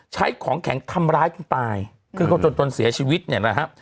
ใช้ของแข็งทำร้ายคุณตายคือเขาจนจนเสียชีวิตเนี่ยนะฮะ